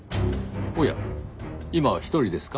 おや今は一人ですか？